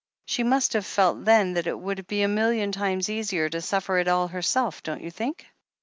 She must have felt then that it would be a million times easier to suffer it all herself, don't you think?